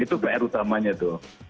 itu pr utamanya tuh